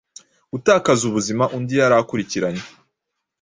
gutakaza ubuzimaundi yarakurikiranye